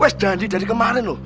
wes jadi dari kemarin loh